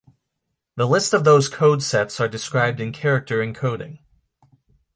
The list of those codesets are described in character encoding.